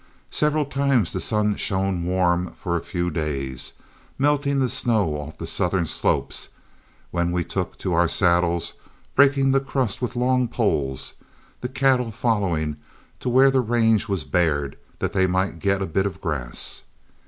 Several times the sun shone warm for a few days, melting the snow off the southern slopes, when we took to our saddles, breaking the crust with long poles, the cattle following to where the range was bared that they might get a bit of grass.